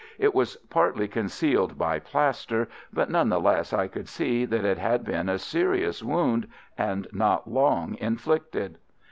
It was partly concealed by plaster, but none the less I could see that it had been a serious wound and not long inflicted.